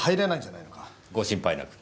ご心配なく。